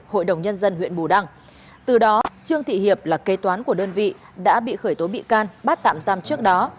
hội đồng nhân dân huyện bù đăng từ đó trương thị hiệp là kê toán của đơn vị đã bị khởi tố bị can bắt tạm giam trước đó